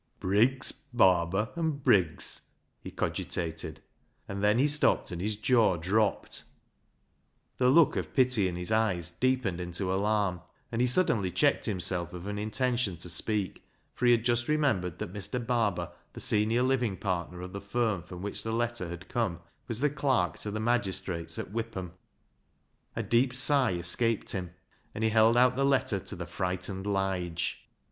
" Briggs, Barber, and Briggs," he cogitated, and then he stopped and his jaw dropped. The 152 BECKSIDE LIGHTS look of pity in his eyes deepened into alarm, and he suddenly checked himself of an intention to speak, for he had just remembered that Mr. Barber, the senior living partner of the firm from which the letter had come, was the clerk to the magistrates at Whipham. A deep sigh escaped him, and he held out the letter to the frightened Lige.